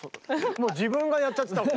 もう自分がやっちゃってたもん。